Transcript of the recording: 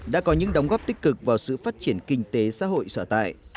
đã có những đóng góp tích cực vào sự phát triển kinh tế xã hội sở tại